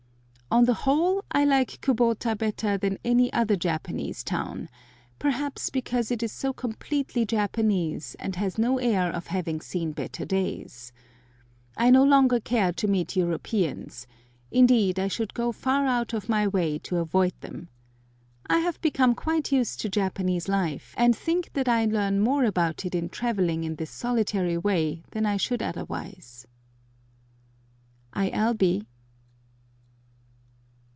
On the whole, I like Kubota better than any other Japanese town, perhaps because it is so completely Japanese and has no air of having seen better days. I no longer care to meet Europeans—indeed I should go far out of my way to avoid them. I have become quite used to Japanese life, and think that I learn more about it in travelling in this solitary way than I should otherwise. I. L. B.